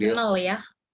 dan seasonal ya